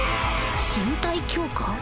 身体強化？